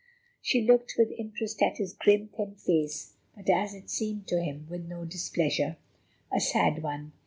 She looked with interest at his grim, thin face, but, as it seemed to him, with no displeasure. "A sad one.